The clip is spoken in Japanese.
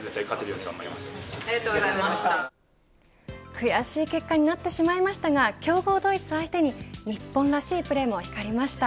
悔しい結果になってしまいましたが強豪ドイツ相手に日本らしいプレーも光りました。